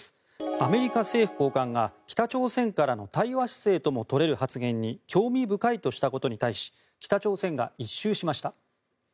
アメリカ政府高官が北朝鮮からの対話姿勢とも取れる発言に興味深いとしたことに対し北朝鮮が一蹴しました。